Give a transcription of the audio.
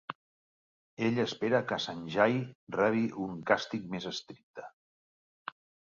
Ell espera que Sanjay rebi un càstig més estricte.